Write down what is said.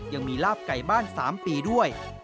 ยังมีลาบไก่บ้าน๓ปีด้วย